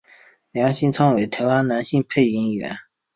梁兴昌为台湾男性配音员。